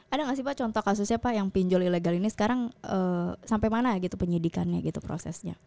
ada nggak sih pak contoh kasusnya pak yang pinjol ilegal ini sekarang sampai mana gitu penyidikannya gitu prosesnya